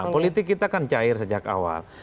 politik kita kan cair sejak awal